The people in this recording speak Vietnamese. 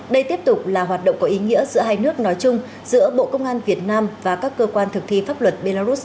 đây tiếp tục là hoạt động có ý nghĩa giữa hai nước nói chung giữa bộ công an việt nam và các cơ quan thực thi pháp luật belarus